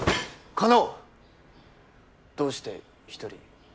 どうして１人？